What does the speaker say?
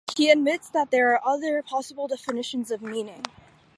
He admits that there are other possible definitions of meaning.